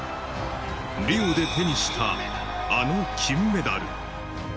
リオで手にしたあの金メダル。